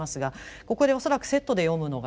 ここで恐らくセットで読むのがですね